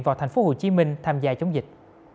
vào tp hcm tham gia chống dịch